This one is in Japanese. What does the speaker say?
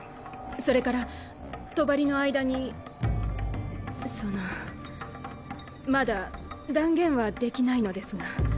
それから帳の間にそのまだ断言はできないのですが。